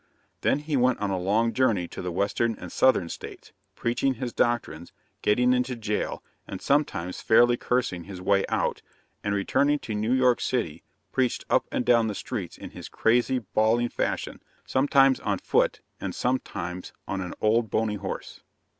Then he went on a long journey to the Western and Southern States, preaching his doctrines, getting into jail, and sometimes fairly cursing his way out; and, returning to New York city, preached up and down the streets in his crazy, bawling fashion, sometimes on foot and sometimes on an old bony horse.